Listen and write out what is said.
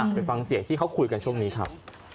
ไปฟังเสียงที่เขาคุยกันช่วงนี้ครับ